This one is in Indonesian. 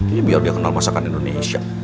ini biar dia kenal masakan indonesia